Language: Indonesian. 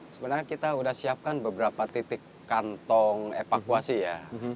sebenarnya kita sudah siapkan beberapa titik kantong evakuasi ya